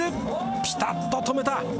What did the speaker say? ピタッと止めた。